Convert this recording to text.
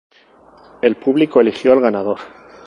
El público eligió al ganador.